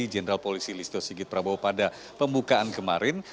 jenderal polisi listo sigit prabowo pada pembukaan kemarin